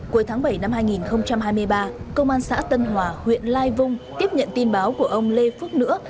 cuối tháng bảy năm hai nghìn hai mươi ba công an xã tân hòa huyện lai vung tiếp nhận tin báo của ông lê phước nữa